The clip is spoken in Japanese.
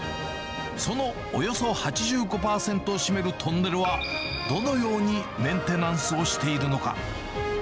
そのおよそ８５％を占めるトンネルはどのようにメンテナンスをしているのか。